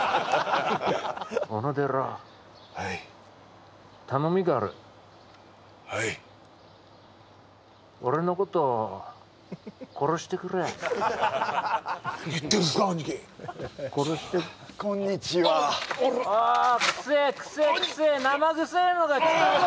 オノデラはい頼みがあるはい俺のこと殺してくれ何言ってんすか兄貴殺してこんにちはあ臭え臭え臭え生臭えのがきたぞ